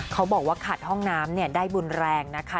เขาบอกว่าขาดห้องน้ำได้บุญแรงนะคะ